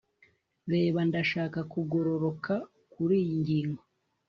reba, ndashaka kugororoka kuriyi ngingo